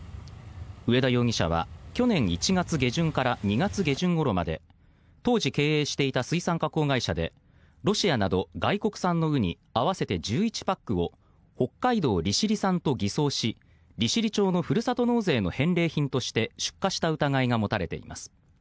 上田容疑者は去年１月下旬から２月下旬ごろまで当時経営していた水産加工会社でロシアなど外国産のウニ合わせて１１パックを北海道利尻産と偽装し利尻産のふるさと納税の返礼品として出荷した疑いが持たれています。